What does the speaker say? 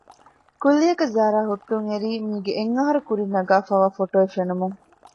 ކުއްލިއަކަށް ޒާރާ ހުއްޓުން އެރީ މީގެ އެއްހަރު ކުރިން ނަގާފައިވާ ފޮޓޯއެއް ފެނުމުން